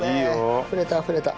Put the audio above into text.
あふれたあふれた。